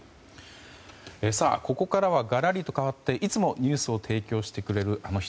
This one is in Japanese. ここからは、がらりと変わっていつもニュースを提供してくれるあの人